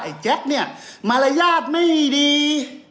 แจ็คเนี่ยมารยาทไม่ดี